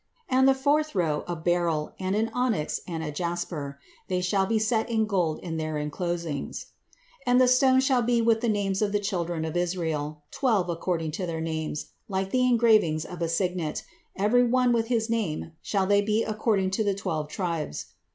And the fourth row a beryl, and an onyx, and a jasper; they shall be set in gold in their enclosings. And the stones shall be with the names of the children of Israel, twelve, according to their names, like the engravings of a signet; every one with his name shall they be according to the twelve tribes.